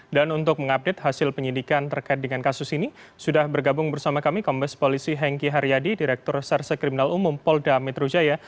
dan untuk mengupdate hasil penyidikan terkait dengan kasus ini sudah bergabung bersama kami kompes polisi hengki haryadi direktur sersa kriminal umum polda mitrujaya